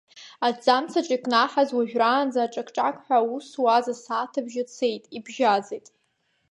Аҭӡамц аҿы икнаҳаз, уажәраанӡа аҿақ-аҿақҳәа аус зуаз асааҭ абжьы цеит, ибжьаӡит.